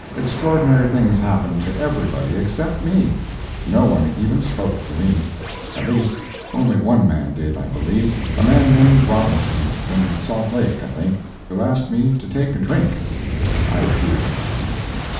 Extraordinary things happened to everybody except me. No one even spoke to me—at least only one man did, I believe—a man named Robinson—from Salt Lake, I think—who asked me to take a drink. I refused.